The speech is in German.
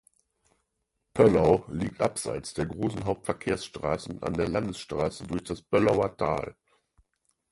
Pöllau liegt abseits der großen Hauptverkehrsstraßen an der Landesstraße durch das Pöllauer Tal.